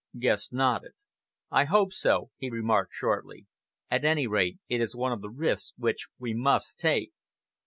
Guest nodded. "I hope so," he remarked shortly. "At any rate, it is one of the risks which we must take."